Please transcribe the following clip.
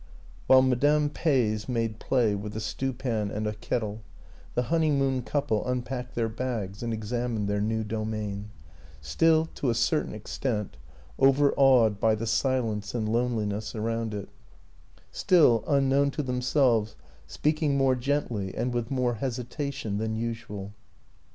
While Madame Peys made play with the stew pan and a kettle, the honeymoon couple unpacked their bags and examined their new domain: still, to a certain extent, overawed by the silence and loneliness around it; still, unknown to themselves, speaking more gently and with more hesitation than usual.